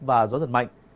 và gió giật mạnh